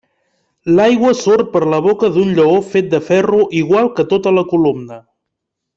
L'aigua surt per la boca d'un lleó fet de ferro igual que tota la columna.